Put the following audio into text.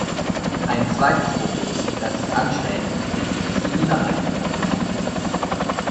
Ein zweites Problem, das ich anschneiden möchte, ist die Minderheitenproblematik.